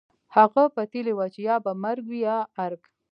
هغه پتېيلې وه چې يا به مرګ وي يا ارګ.